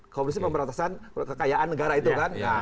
komisi pemberantasan kekayaan negara itu kan